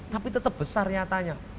tapi tetap besar nyatanya